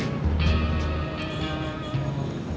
tidak ada yang bisa dihukum